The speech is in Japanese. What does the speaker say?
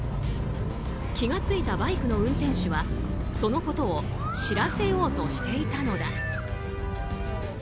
気が付いたバイクの運転手はそのことを知らせようとしていたのだ。